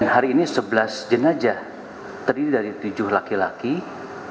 hari ini sebelas jenazah terdiri dari tujuh jenazah berjenis kelamin laki laki